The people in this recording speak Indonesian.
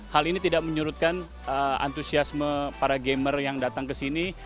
hal ini tidak menyurutkan antusiasme para gamer yang datang ke sini